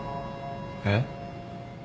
えっ？